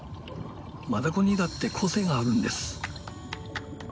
マダコにだって個性があるんです。